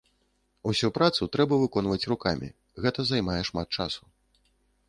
Усю працу трэба выконваць рукамі, гэта займае шмат часу.